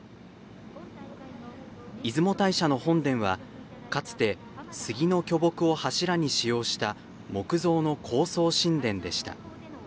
出雲大社の本殿はかつてスギの巨木を柱に使用した木造の高層神殿でした。